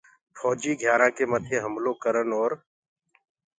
ڦوجيٚ گھيارآنٚ ڪي مٿي هملو ڪرن اور